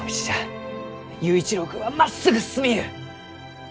佑一郎君はまっすぐ進みゆう！